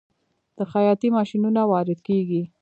د خیاطۍ ماشینونه وارد کیږي؟